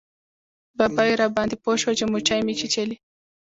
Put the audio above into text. ببۍ راباندې پوه شوه چې موچۍ مې چیچلی.